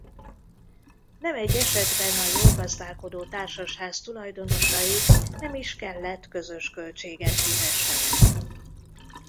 Nem egy esetben a jól gazdálkodó társasház tulajdonosai nem is kellett közös költséget fizessenek.